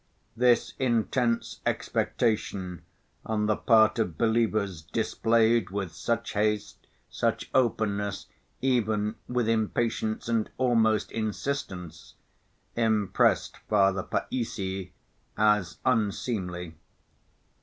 This intense expectation on the part of believers displayed with such haste, such openness, even with impatience and almost insistence, impressed Father Païssy as unseemly.